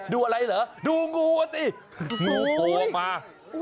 ดูอะไรเหรอดูโง่โง่โบ้งมา